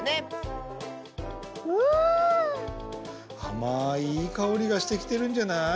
あまいいいかおりがしてきてるんじゃない？